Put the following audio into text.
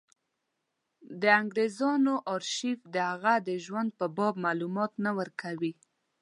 د انګرېزانو ارشیف د هغه د ژوند په باب معلومات نه ورکوي.